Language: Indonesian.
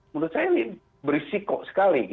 menurut saya ini berisiko sekali